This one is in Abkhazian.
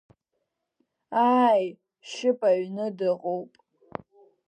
Ааи, Шьыпа аҩны дыҟоуп.